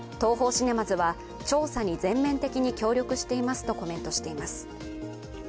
シネマズは、調査に全面的に協力していますとコメントしています。